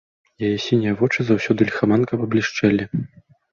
Яе сінія вочы заўсёды ліхаманкава блішчэлі.